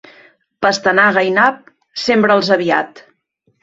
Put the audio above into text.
Pastanaga i nap sembra'ls aviat.